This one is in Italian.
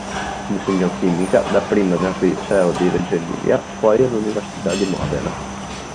Insegnò chimica dapprima nel liceo di Reggio Emilia, poi all'Università di Modena.